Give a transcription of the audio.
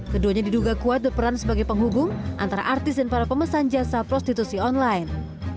keduanya diduga kuat berperan sebagai penghubung antara artis dan para pemesan jasa prostitusi online